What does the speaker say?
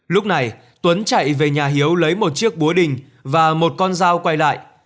lúc này tuấn chạy về nhà hiếu lấy một chiếc búa đình và một con dao quay lại